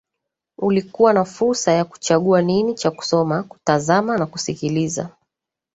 ulikuwa na fursa ya kuchagua nini cha kusoma kutazama na kusikiliza